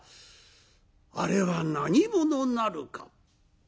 「あれは何者なるか」。